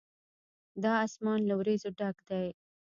دا آسمان له وريځو ډک دی.